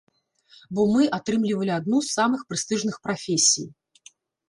Бо мы атрымлівалі адну з самых прэстыжных прафесій.